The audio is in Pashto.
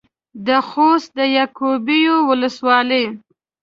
د خوست د يعقوبيو ولسوالۍ.